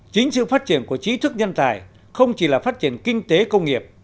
chính sự phát triển của trí thức nhân tài không chỉ là phát triển kinh tế công nghiệp